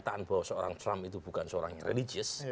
kenyataan bahwa seorang trump itu bukan seorang yang religious